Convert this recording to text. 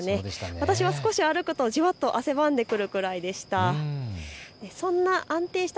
私は少し歩くとじわっと汗ばむぐらいでした。